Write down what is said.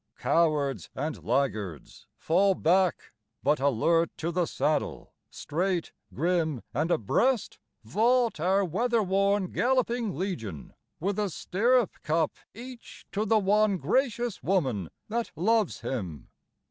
_ Cowards and laggards fall back; but alert to the saddle, Straight, grim, and abreast, vault our weather worn, galloping legion, With a stirrup cup each to the one gracious woman that loves him.